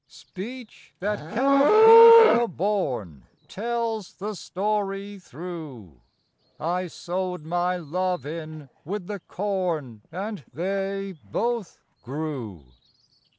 Speech that cannot be forborne Tells the story through : I sowed my love in with the corn, And they both grew.